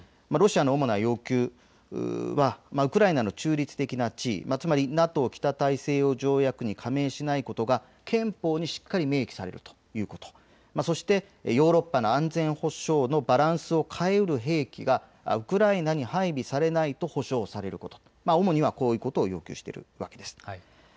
ロシアの主な要求、ウクライナの中立的な地位、つまりＮＡＴＯ・北大西洋条約機構に加盟しないことは憲法にしっかり明記されるということ、そしてヨーロッパの安全保障のバランスを変えうる兵器がウクライナに配備されないと保証されること、主にはこういうことを要求しているわけです。